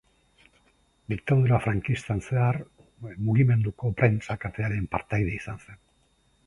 Diktadura frankistan zehar Mugimenduko Prentsa Katearen partaide izan zen.